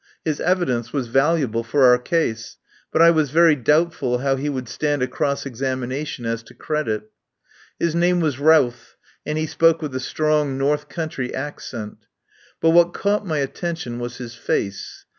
His evidence was valuable for our case, but I was very doubtful how he would stand a cross ex amination as to credit. His name was Routh, and he spoke with a strong North country ac cent. But what caught my attention was his face.